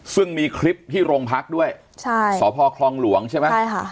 ซึ่งมีคลิปที่โรงพักด้วยใช่สพคลองหลวงใช่ไหมใช่ค่ะ